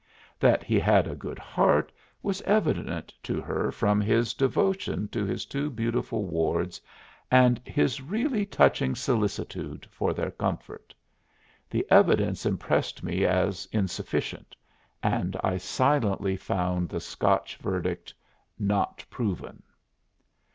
That he had a good heart was evident to her from his devotion to his two beautiful wards and his really touching solicitude for their comfort. The evidence impressed me as insufficient and I silently found the Scotch verdict, "Not proven."